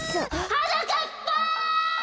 ・はなかっぱ！